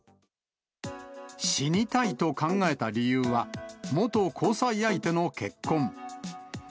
死にたいと考えた理由は、元交際相手の結婚。